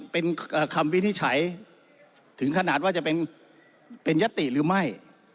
เป็นคำวินิจฉัยถึงขนาดว่าจะเป็นยติหรือไม่